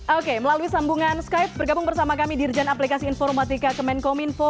oke melalui sambungan skype bergabung bersama kami dirjen aplikasi informatika kemenkominfo